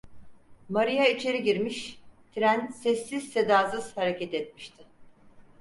Maria içeri girmiş, tren sessiz sedasız hareket etmişti.